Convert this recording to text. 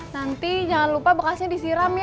nanti jangan lupa bekasnya disiram ya